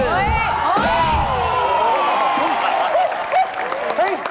น่าเหรอ